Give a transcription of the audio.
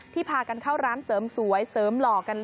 พากันเข้าร้านเสริมสวยเสริมหล่อกัน